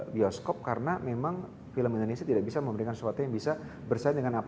bioskop karena memang film indonesia tidak bisa memberikan sesuatu yang bisa bersaing dengan apa